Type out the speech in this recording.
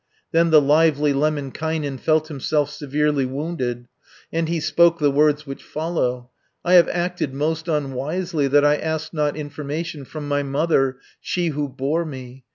Then the lively Lemminkainen Felt himself severely wounded, And he spoke the words which follow: "I have acted most unwisely, That I asked not information From my mother, she who bore me.